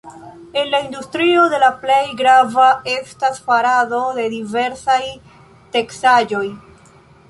En la industrio la plej grava estas farado de diversaj teksaĵoj.